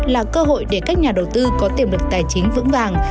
là cơ hội để các nhà đầu tư có tiềm lực tài chính vững vàng